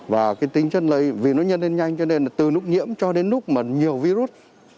và cái tính chân lây vì nó nhân lên nhanh cho nên là từ lúc nhiễm cho đến lúc mà nhiều virus